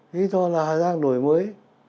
lý do là hà giang đổi mới